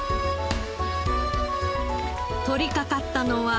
取りかかったのは。